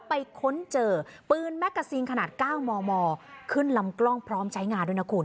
ค้นเจอปืนแมกกาซีนขนาด๙มมขึ้นลำกล้องพร้อมใช้งานด้วยนะคุณ